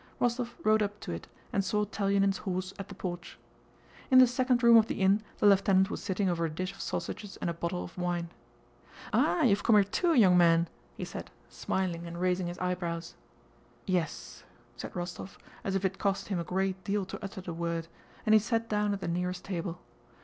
Rostóv rode up to it and saw Telyánin's horse at the porch. In the second room of the inn the lieutenant was sitting over a dish of sausages and a bottle of wine. "Ah, you've come here too, young man!" he said, smiling and raising his eyebrows. "Yes," said Rostóv as if it cost him a great deal to utter the word; and he sat down at the nearest table.